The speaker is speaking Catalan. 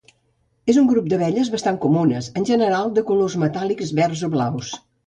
És un grup d'abelles bastant comunes, en general de colors metàl·lics verds o blaus.